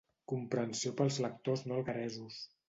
comprensió pels lectors no algueresos